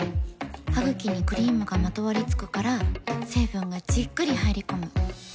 ハグキにクリームがまとわりつくから成分がじっくり入り込む。